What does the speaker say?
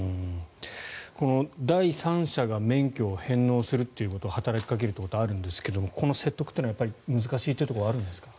この第三者が免許を返納させることを働きかけるということはあるんですがこの説得というのは難しいところはあるんですか。